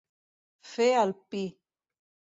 Fer el pi.